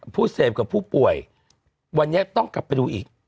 ผู้เสพกับผู้ป่วยวันนี้ต้องกลับไปดูอีก